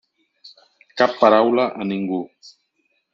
Cap paraula a ningú.